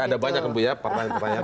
ada banyak bu ya pertanyaan pertanyaan